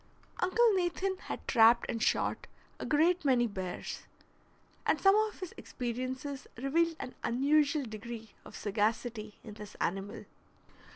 Uncle Nathan had trapped and shot a great many bears, and some of his experiences revealed an unusual degree of sagacity in this animal.